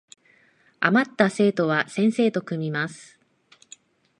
あまった生徒は先生と組みます